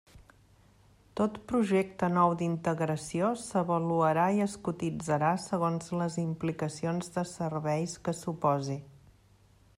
Tot projecte nou d'integració s'avaluarà i es cotitzarà segons les implicacions de serveis que suposi.